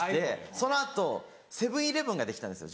その後セブン−イレブンができたんですよ